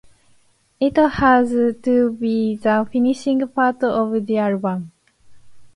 It has to be the finishing part of the album.